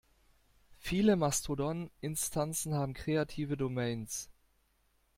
Viele Mastodon-Instanzen haben kreative Domains.